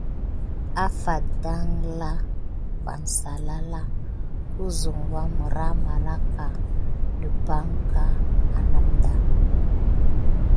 Afate dangla van salala kuzuk wamərah meleket dəpaŋk a namda.